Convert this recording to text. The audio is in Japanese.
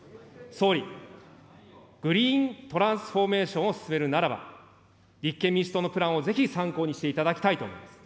総理、グリーントランスフォーメーションを進めるならば、立憲民主党のプランをぜひ参考にしていただきたいと思います。